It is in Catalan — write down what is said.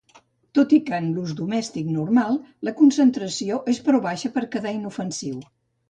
Tot i que en l'ús domèstic normal, la concentració és prou baixa per quedar inofensiu.